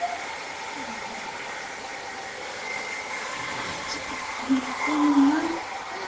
舞ちゃん頑張ってんねんなぁ。